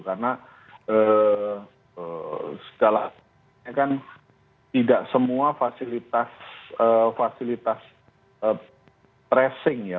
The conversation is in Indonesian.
karena segala kan tidak semua fasilitas fasilitas tracing ya